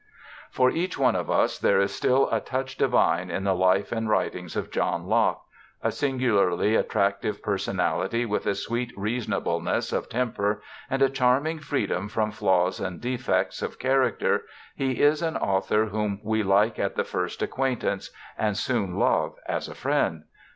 For each one of us there is still a * touch divine ' in the life and writings of John Locke. A singularly attractive personality, with a sweet reasonableness of temper and a charming freedom from flaws and defects of character, he is an author whom we like at the first acquaintance, and soon love as a friend.